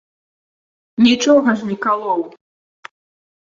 Нічога ж не калоў.